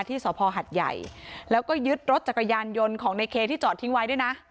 สภหัดใหญ่แล้วก็ยึดรถจักรยานยนต์ของในเคที่จอดทิ้งไว้ด้วยนะ